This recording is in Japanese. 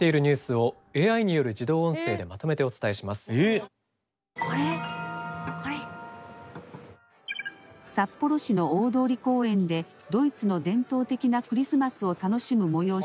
生放送の様子を見ていると「札幌市の大通公園でドイツの伝統的なクリスマスを楽しむ催し